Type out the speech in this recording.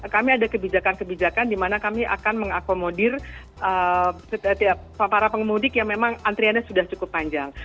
kami ada kebijakan kebijakan di mana kami akan mengakomodir para pemudik yang memang antriannya sudah cukup panjang